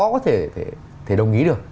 có thể đồng ý được